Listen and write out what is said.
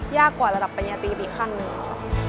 ยากกว่าระดับปัญญาตีอีกขั้นหนึ่งค่ะ